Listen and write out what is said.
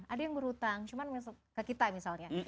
ada yang berhutang cuma ke kita misalnya